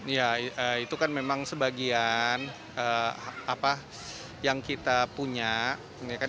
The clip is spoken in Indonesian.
ya itu kan memang sebagian apa yang kita punya